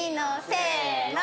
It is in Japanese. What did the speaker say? せの。